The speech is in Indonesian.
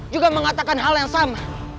juga mengatakan hal yang sama